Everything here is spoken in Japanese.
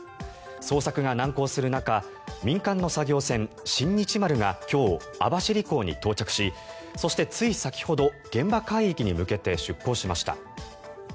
捜索が難航する中民間の作業船「新日丸」が今日、網走港に到着しそして、つい先ほど現場海域に向けて出港しました。